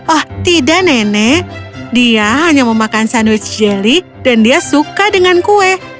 oh tidak nenek dia hanya memakan sandwich jelly dan dia suka dengan kue